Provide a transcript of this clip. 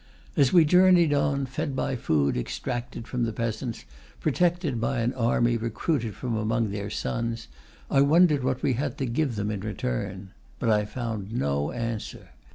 As we journeyed on, fed by food extracted from the peasants, protected by an army recruited from among their sons, I wondered what we had to give them in return. But I found no answer.